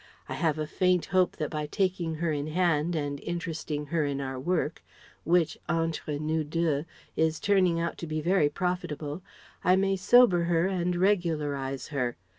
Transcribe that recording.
I have a faint hope that by taking her in hand and interesting her in our work which entre nous deux is turning out to be very profitable I may sober her and regularize her.